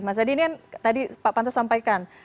mas adi ini kan tadi pak pantas sampaikan